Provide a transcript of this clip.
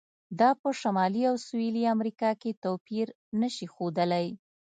دا په شمالي او سویلي امریکا کې توپیر نه شي ښودلی.